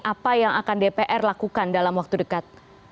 apa yang akan dpr lakukan dalam waktu dekat